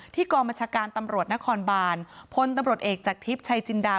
กองบัญชาการตำรวจนครบานพลตำรวจเอกจากทิพย์ชัยจินดา